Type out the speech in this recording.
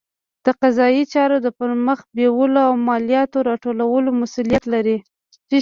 د قضایي چارو د پرمخ بیولو او مالیاتو راټولولو مسوولیت لري.